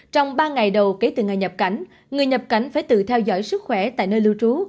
trong ba ngày đầu kể từ ngày nhập cảnh người nhập cảnh phải tự theo dõi sức khỏe tại nơi lưu trú